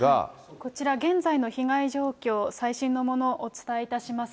こちら、現在の被害状況、最新のものをお伝えいたします。